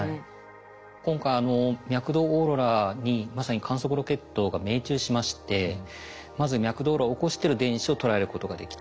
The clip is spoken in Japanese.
今回脈動オーロラにまさに観測ロケットが命中しましてまず脈動オーロラを起こしてる電子をとらえることができた。